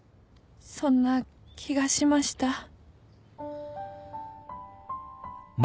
そんな気がしました。